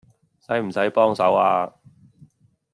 使唔使幫手呀